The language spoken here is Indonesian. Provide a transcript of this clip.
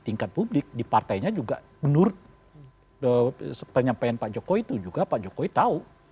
tingkat publik di partainya juga menurut penyampaian pak jokowi itu juga pak jokowi tahu